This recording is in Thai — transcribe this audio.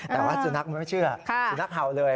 แต่ว่าสุนัขมันไม่เชื่อสุนัขเห่าเลย